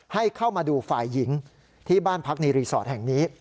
ให้เข้ามาดูฝ่ายหญิงที่บ้านพักในรีสอร์ทแห่งนี้